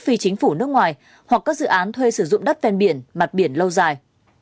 phi chính phủ nước ngoài hoặc các dự án thuê sử dụng đất ven biển mặt biển lâu dài